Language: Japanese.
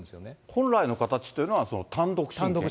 本来の形というのは、単独親権？